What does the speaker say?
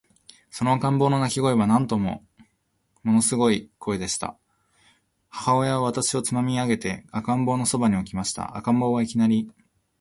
その赤ん坊の泣声は、なんとももの凄い声でした。母親は私をつまみ上げて、赤ん坊の傍に置きました。赤ん坊は、いきなり、